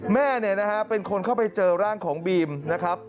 แม่เป็นคนเข้าไปเจอร่างของบีมนะครับ